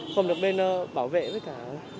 không được bên bảo vệ với cả